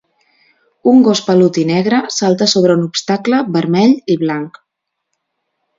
Un gos pelut i negre salta sobre un obstacle vermell i blanc.